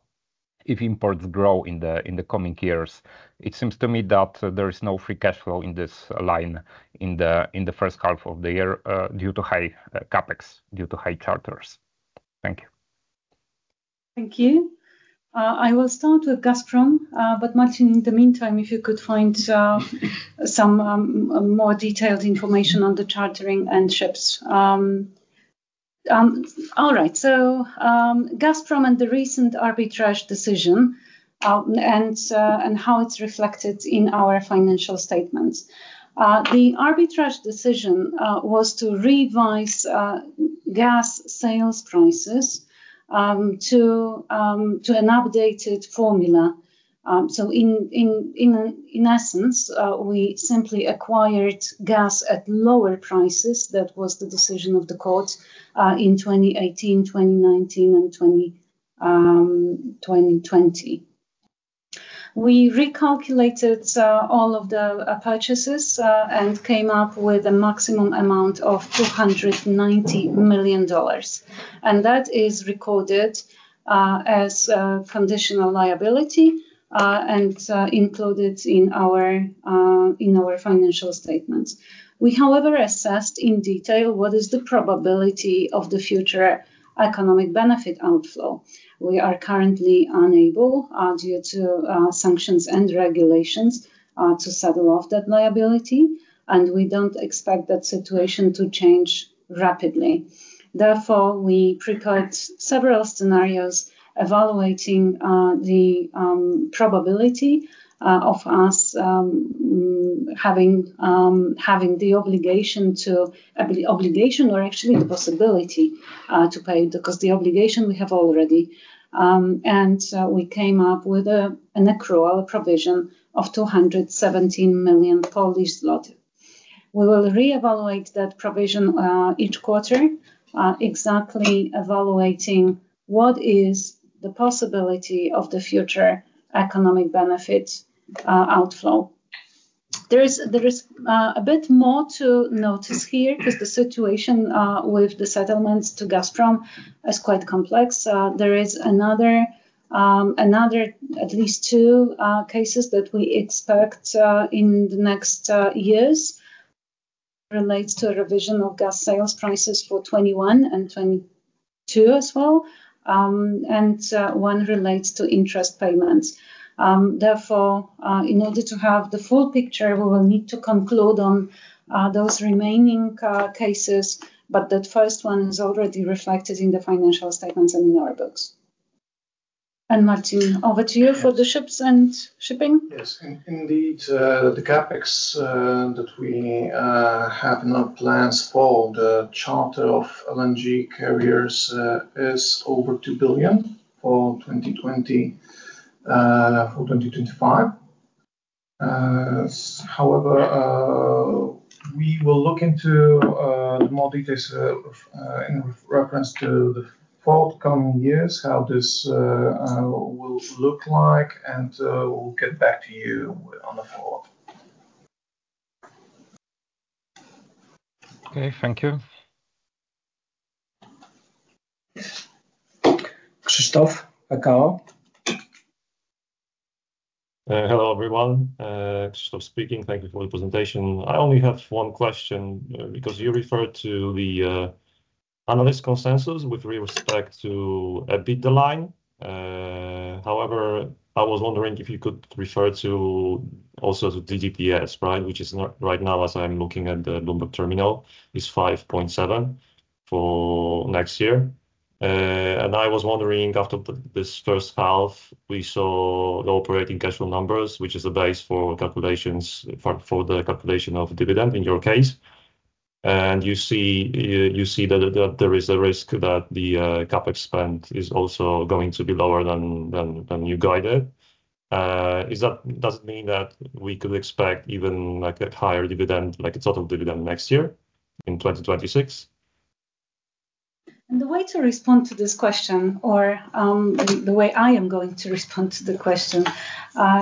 S10: if imports grow in the coming years? It seems to me that there is no free cashflow in this line, in the first half of the year, due to high CapEx, due to high charters. Thank you.
S2: Thank you. I will start with Gazprom, but Marcin, in the meantime, if you could find some more detailed information on the chartering and ships. All right. Gazprom and the recent arbitration decision, and how it's reflected in our financial statements. The arbitration decision was to revise gas sales prices to an updated formula. In essence, we simply acquired gas at lower prices. That was the decision of the court in 2018, 2019 and 2020. We recalculated all of the purchases and came up with a maximum amount of $290 million, and that is recorded as a conditional liability and included in our financial statements. We, however, assessed in detail what is the probability of the future economic benefit outflow. We are currently unable, due to sanctions and regulations, to settle off that liability, and we don't expect that situation to change rapidly. Therefore, we procured several scenarios evaluating the probability of us having the obligation to... The obligation or actually the possibility to pay, because the obligation we have already. We came up with an accrual provision of 217 million Polish zloty... We will reevaluate that provision each quarter, exactly evaluating what is the possibility of the future economic benefit outflow. There is a bit more to notice here, 'cause the situation with the settlements to Gazprom is quite complex. There is another, another at least two cases that we expect in the next years. It relates to a revision of gas sales prices for 2021 and 2022 as well. One relates to interest payments. Therefore, in order to have the full picture, we will need to conclude on those remaining cases, but that first one is already reflected in the financial statements and in our books. Marcin, over to you for the ships and shipping.
S4: Yes. Indeed, the CapEx that we have now plans for the charter of LNG carriers is over 2 billion for 2020, for 2025. However, we will look into more details in reference to the forthcoming years, how this will look like, and we'll get back to you on the call.
S10: Okay, thank you.
S1: Krzysztof, PKO?
S11: Hello, everyone. Krzysztof speaking. Thank you for the presentation. I only have one question, because you referred to the analyst consensus with respect to EBITDA line. However, I was wondering if you could refer also to DPS, right? Which is right now, as I'm looking at the Bloomberg terminal, 5.7 for next year. And I was wondering, after this first half, we saw the operating cash flow numbers, which is the base for calculations for the calculation of dividend, in your case. And you see, you see that there is a risk that the CapEx spend is also going to be lower than you guided. Does it mean that we could expect even, like, a higher dividend, like a total dividend next year, in 2026?
S2: The way to respond to this question or, the way I am going to respond to the question,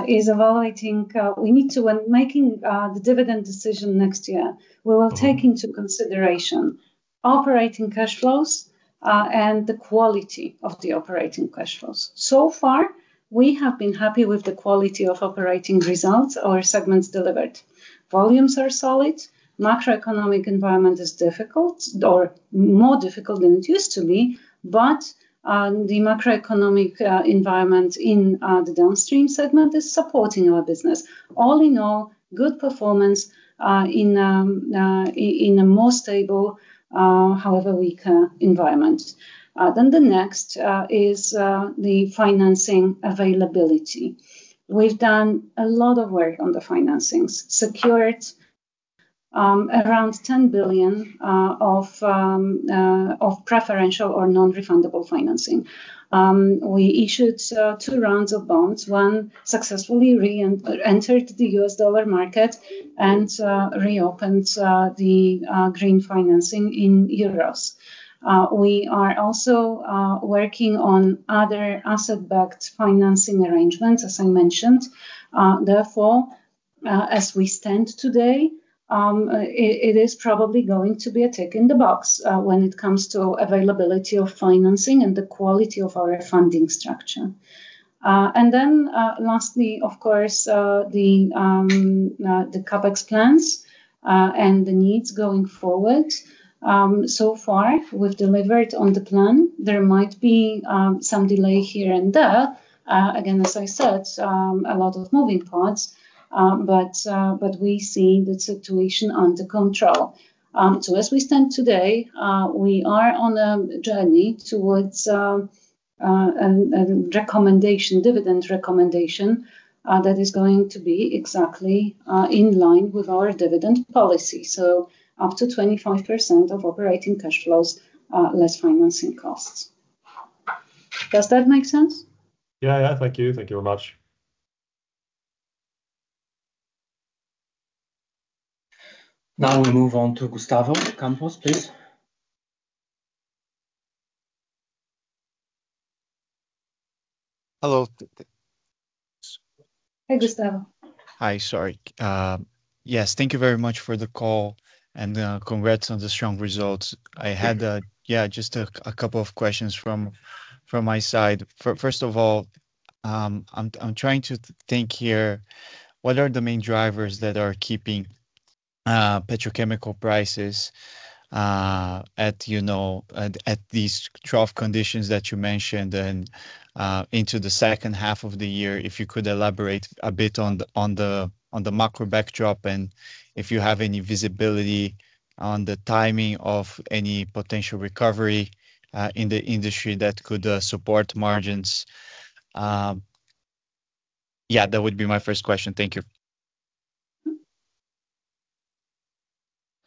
S2: is evaluating. We need to, when making, the dividend decision next year, we will take into consideration operating cash flows and the quality of the operating cash flows. So far, we have been happy with the quality of operating results our segments delivered. Volumes are solid, macroeconomic environment is difficult, or more difficult than it used to be, but the macroeconomic environment in the downstream segment is supporting our business. All in all, good performance in a more stable, however, weaker environment. Then the next is the financing availability. We've done a lot of work on the financings, secured around 10 billion of preferential or non-refundable financing. We issued two rounds of bonds, one successfully reentered the U.S. dollar market and reopened the green financing in euros. We are also working on other asset-backed financing arrangements, as I mentioned. Therefore, as we stand today, it is probably going to be a tick in the box when it comes to availability of financing and the quality of our funding structure. And then, lastly, of course, the CapEx plans and the needs going forward. So far, we've delivered on the plan. There might be some delay here and there. Again, as I said, a lot of moving parts, but we see the situation under control. As we stand today, we are on a journey towards a recommendation, dividend recommendation, that is going to be exactly in line with our dividend policy, so up to 25% of operating cash flows, less financing costs. Does that make sense?
S11: Yeah, yeah. Thank you. Thank you very much.
S1: Now we move on to Gustavo Campos, please.
S12: Hello.
S2: Hey, Gustavo.
S12: Hi. Sorry. Yes, thank you very much for the call, and congrats on the strong results. I had yeah, just a couple of questions from my side. First of all, I'm trying to think here, what are the main drivers that are keeping petrochemical prices at you know at these trough conditions that you mentioned and into the second half of the year? If you could elaborate a bit on the macro backdrop, and if you have any visibility on the timing of any potential recovery in the industry that could support margins. Yeah, that would be my first question. Thank you. ...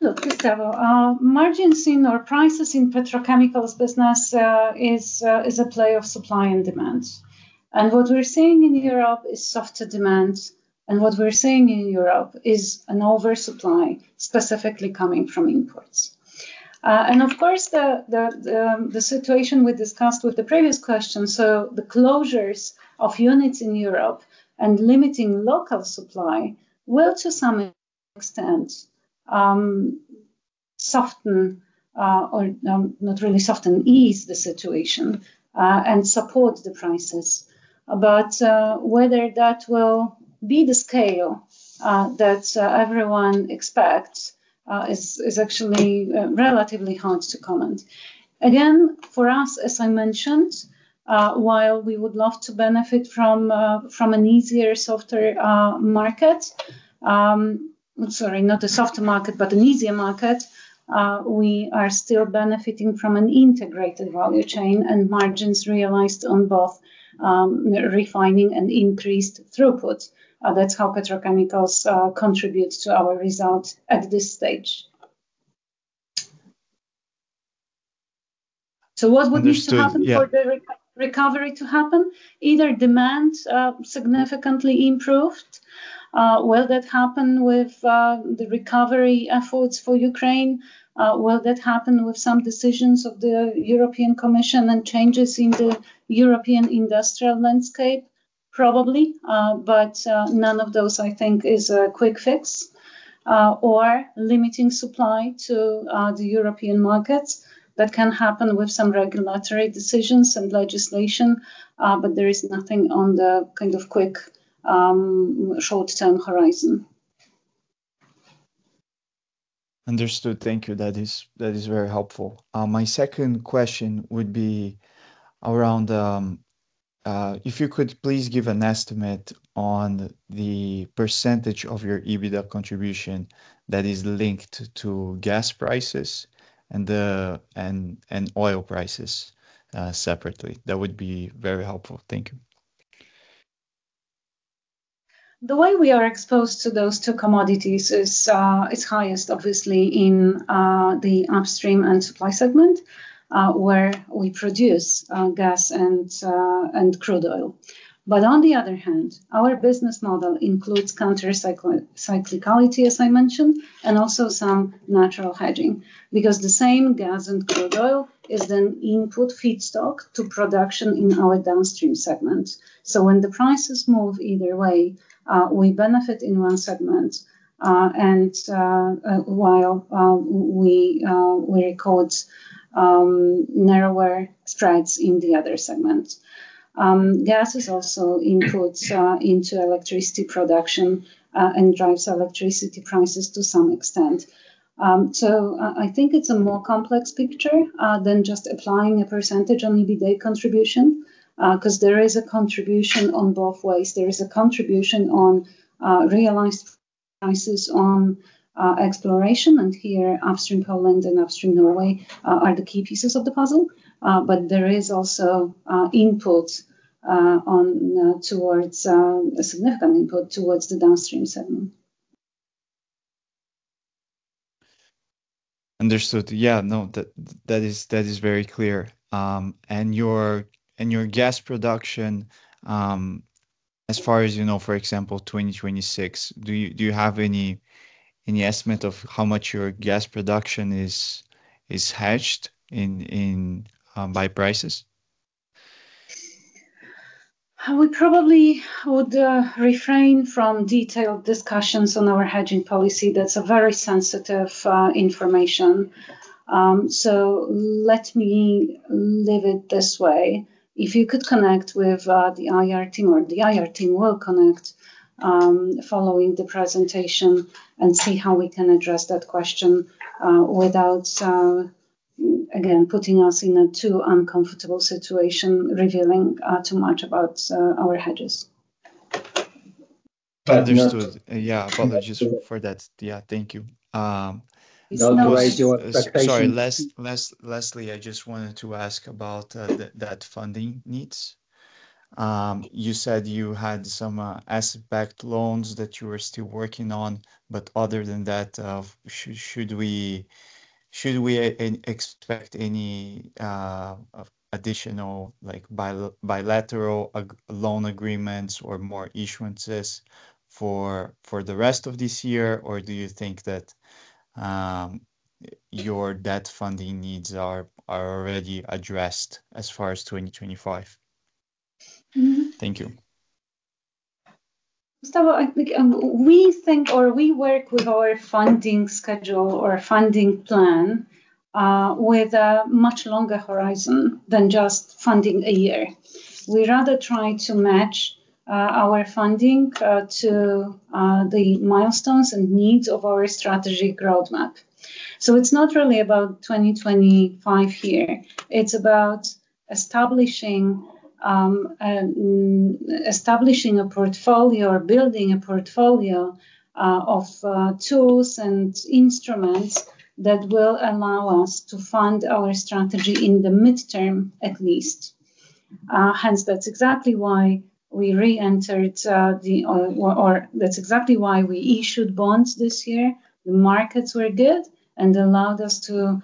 S2: Look, Gustavo, margins in our prices in petrochemicals business is a play of supply and demand. What we're seeing in Europe is softer demand, and what we're seeing in Europe is an oversupply, specifically coming from imports. Of course, the situation we discussed with the previous question, so the closures of units in Europe and limiting local supply will, to some extent, soften or not really soften, ease the situation and support the prices. But whether that will be the scale that everyone expects is actually relatively hard to comment. Again, for us, as I mentioned, while we would love to benefit from an easier, softer market... Sorry, not a softer market, but an easier market, we are still benefiting from an integrated value chain, and margins realized on both, refining and increased throughput. That's how petrochemicals contributes to our results at this stage. So what would need-
S12: Understood, yeah...
S2: to happen for the recovery to happen? Either demand significantly improved, will that happen with the recovery efforts for Ukraine? Will that happen with some decisions of the European Commission and changes in the European industrial landscape? Probably. But none of those, I think, is a quick fix. Or limiting supply to the European markets, that can happen with some regulatory decisions and legislation, but there is nothing on the kind of quick short-term horizon.
S12: Understood. Thank you. That is very helpful. My second question would be around if you could please give an estimate on the percentage of your EBITDA contribution that is linked to gas prices and the oil prices, separately. That would be very helpful. Thank you.
S2: The way we are exposed to those two commodities is highest, obviously, in the upstream and supply segment, where we produce gas and crude oil. But on the other hand, our business model includes countercyclicity, as I mentioned, and also some natural hedging. Because the same gas and crude oil is an input feedstock to production in our downstream segment. So when the prices move either way, we benefit in one segment and while we record narrower spreads in the other segment. Gas is also inputs into electricity production and drives electricity prices to some extent. So I think it's a more complex picture than just applying a percentage on EBITDA contribution, 'cause there is a contribution on both ways. There is a contribution on realized prices on exploration, and here Upstream Poland and Upstream Norway are the key pieces of the puzzle. But there is also input on towards a significant input towards the downstream segment.
S12: Understood. Yeah, no, that is very clear. And your gas production, as far as you know, for example, 2026, do you have any estimate of how much your gas production is hedged in by prices?
S2: We probably would refrain from detailed discussions on our hedging policy. That's a very sensitive information. So let me leave it this way. If you could connect with the IR team, or the IR team will connect following the presentation and see how we can address that question without again putting us in a too uncomfortable situation, revealing too much about our hedges.
S12: Understood. Yeah, apologies for that. Yeah, thank you.
S13: Don't raise your expectation.
S12: Sorry, lastly, I just wanted to ask about the funding needs. You said you had some asset-backed loans that you were still working on, but other than that, should we expect any additional, like, bilateral loan agreements or more issuances for the rest of this year? Or do you think that your debt funding needs are already addressed as far as 2025?
S2: Mm-hmm.
S12: Thank you.
S2: Gustavo, I, we think or we work with our funding schedule or funding plan, with a much longer horizon than just funding a year. We rather try to match, our funding, to, the milestones and needs of our strategy roadmap. So it's not really about 2025 here, it's about establishing, establishing a portfolio or building a portfolio, of, tools and instruments that will allow us to fund our strategy in the midterm, at least. Hence, that's exactly why we issued bonds this year. The markets were good and allowed us to,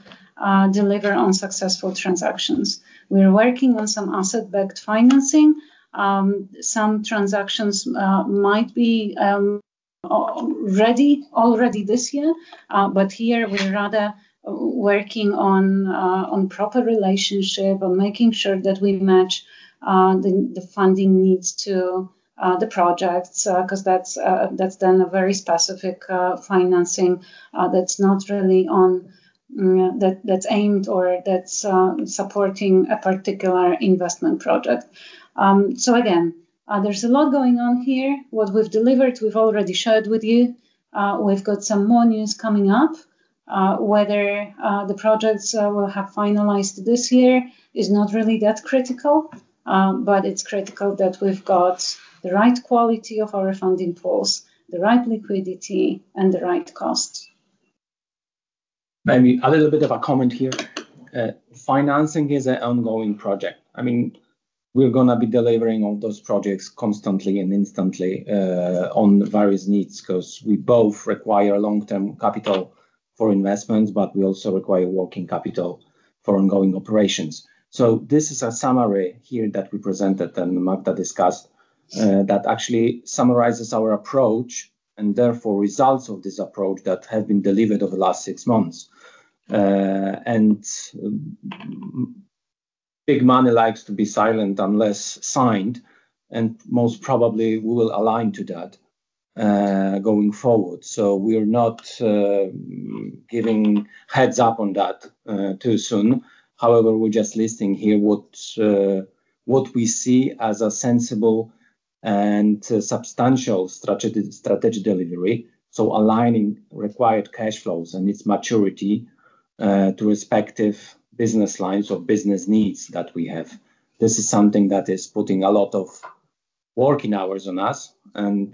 S2: deliver on successful transactions. We're working on some asset-backed financing. Some transactions might be ready already this year, but here we're rather working on proper relationship and making sure that we match the funding needs to the projects, 'cause that's then a very specific financing that's not really on, that that's aimed or that's supporting a particular investment project. So again, there's a lot going on here. What we've delivered, we've already shared with you. We've got some more news coming up. Whether the projects will have finalized this year is not really that critical, but it's critical that we've got the right quality of our funding pools, the right liquidity, and the right cost.
S1: Maybe a little bit of a comment here. Financing is an ongoing project. I mean, we're gonna be delivering on those projects constantly and instantly, on various needs, 'cause we both require long-term capital for investments, but we also require working capital for ongoing operations. So this is a summary here that we presented and Magda discussed, that actually summarizes our approach, and therefore results of this approach that have been delivered over the last six months. And, big money likes to be silent unless signed, and most probably we will align to that, going forward. So we're not, giving heads-up on that, too soon. However, we're just listing here what, what we see as a sensible and substantial strategy, strategy delivery, so aligning required cash flows and its maturity, to respective business lines or business needs that we have. This is something that is putting a lot of working hours on us, and,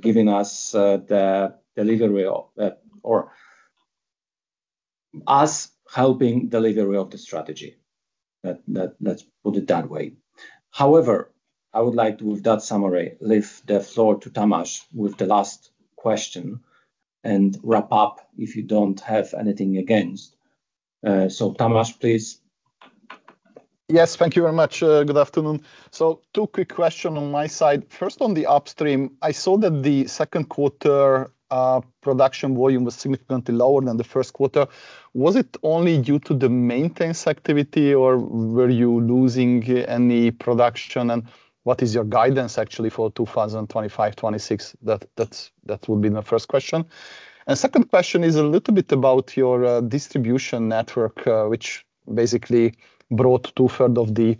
S1: giving us, the delivery of, or us helping delivery of the strategy. That... Let's put it that way. However, I would like to, with that summary, leave the floor to Tamás with the last question, and wrap up if you don't have anything against. So, Tamás, please.
S14: Yes, thank you very much. Good afternoon. So two quick question on my side. First, on the upstream, I saw that the second quarter production volume was significantly lower than the first quarter. Was it only due to the maintenance activity, or were you losing any production? And what is your guidance actually for 2025, 2026? That would be my first question. And second question is a little bit about your distribution network, which basically brought two-third of the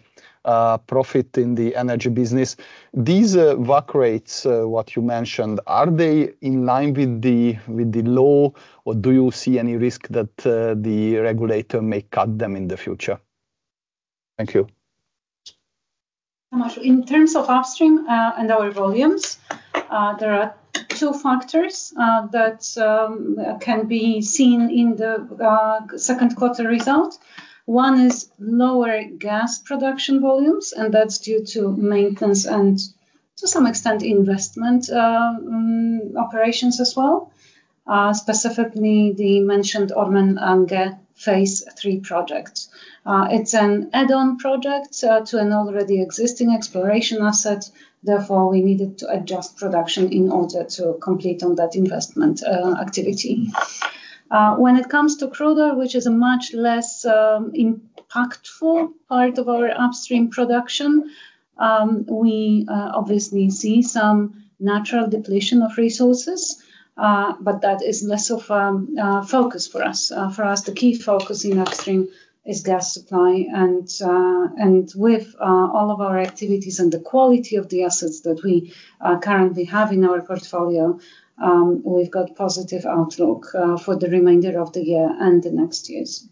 S14: profit in the energy business. These WACC rates, what you mentioned, are they in line with the law, or do you see any risk that the regulator may cut them in the future? Thank you.
S2: Tamás, in terms of upstream, and our volumes, there are two factors, that can be seen in the second quarter result. One is lower gas production volumes, and that's due to maintenance and, to some extent, investment operations as well. Specifically, the mentioned Ormen Lange Phase 3 project. It's an add-on project to an already existing exploration asset, therefore, we needed to adjust production in order to complete on that investment activity. When it comes to crude oil, which is a much less impactful part of our upstream production, we obviously see some natural depletion of resources, but that is less of a focus for us. For us, the key focus in upstream is gas supply, and with all of our activities and the quality of the assets that we currently have in our portfolio, we've got positive outlook for the remainder of the year and the next years.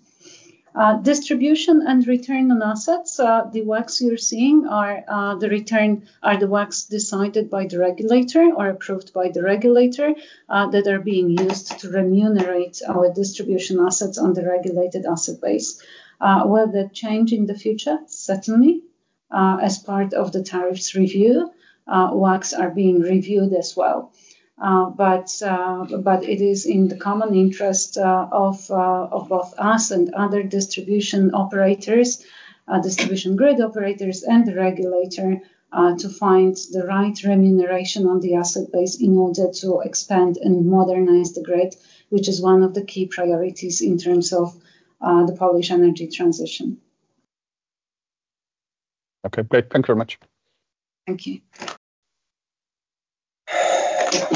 S2: Distribution and return on assets, the WACCs you're seeing are the return are the WACCs decided by the regulator or approved by the regulator that are being used to remunerate our distribution assets on the regulated asset base. Will they change in the future? Certainly. As part of the tariffs review, WACCs are being reviewed as well. It is in the common interest of both us and other distribution operators, distribution grid operators, and the regulator to find the right remuneration on the asset base in order to expand and modernize the grid, which is one of the key priorities in terms of the Polish energy transition.
S14: Okay, great. Thank you very much.
S2: Thank you.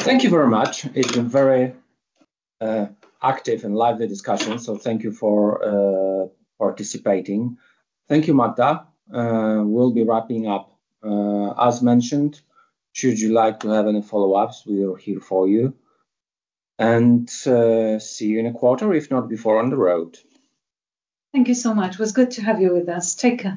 S1: Thank you very much. It's been very, active and lively discussion, so thank you for, participating. Thank you, Magda. We'll be wrapping up. As mentioned, should you like to have any follow-ups, we are here for you. And, see you in a quarter, if not before, on the road.
S2: Thank you so much. It was good to have you with us. Take care.